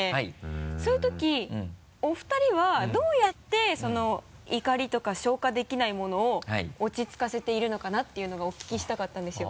そういうときお二人はどうやって怒りとか消化できないものを落ち着かせているのかな？っていうのがお聞きしたかったんですよ。